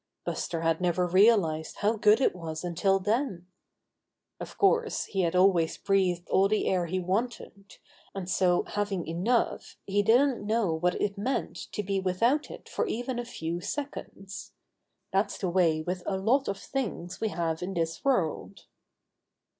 Buster had never realized how good it was until then ! Of course he had always breathed all the air he wanted, and so having enough he didn't know what it meant to be without it for even a few seconds. That's the way with a lot of things we have in this world.